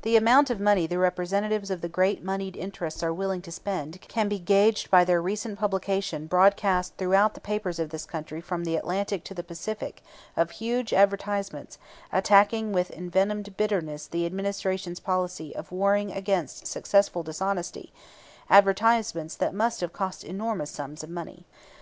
The amount of money the representatives of the great moneyed interests are willing to spend can be gauged by their recent publication broadcast throughout the papers of this country from the Atlantic to the Pacific of huge advertisements, attacking with envenomed bitterness the Administration's policy of warring against successful dishonesty, advertisements that must have cost enormous sums of money.